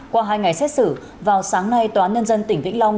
qua hai ngày xét xử vào sáng nay tòa án nhân dân tỉnh vĩnh long